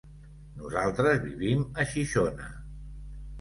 Nosaltres vivim a Xixona.